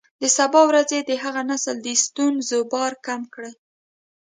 د سبا ورځې د هغه نسل د ستونزو بار کم کړئ.